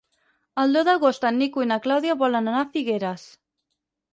El deu d'agost en Nico i na Clàudia volen anar a Figueres.